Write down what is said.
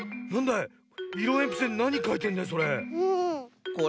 いろえんぴつでなにかいてんだいそれ？